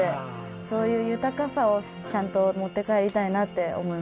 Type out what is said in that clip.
そういう豊かさをちゃんと持って帰りたいなって思いました。